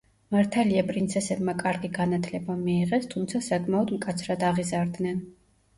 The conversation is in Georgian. მართალია პრინცესებმა კარგი განათლება მიიღეს, თუმცა საკმაოდ მკაცრად აღიზარდნენ.